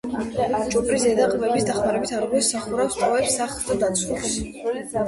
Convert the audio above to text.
ჭუპრი ზედა ყბების დახმარებით არღვევს სახურავს, ტოვებს „სახლს“ და დაცურავს.